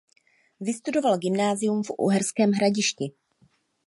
Vystudoval gymnázium v Uherském Hradišti.